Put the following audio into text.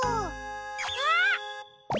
あっ！